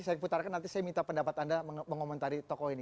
saya putarkan nanti saya minta pendapat anda mengomentari tokoh ini